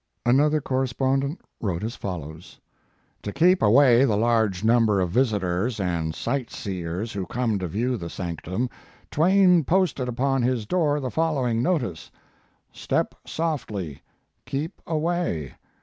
Another correspondent wrote as follows: To keep away the large number of visitors and sight seers who come to view the sanctum, Twain posted upon his door the following notice: i Step Softly! Keep Away!